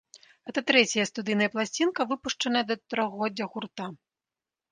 Гэта трэцяя студыйная пласцінка, выпушчаная да трохгоддзя гурта.